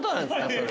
それ。